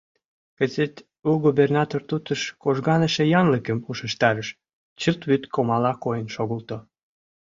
Кызыт у губернатор тутыш кожганыше янлыкым ушештарыш, чылт вӱдкомала койын шогылто.